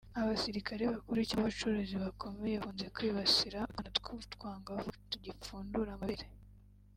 abasirikare bakuru cyangwa abacuruzi bakomeye bakunze kwibasira utwana tw’utwangavu tugipfundura amabere